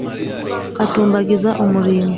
atumbagiza umurimbo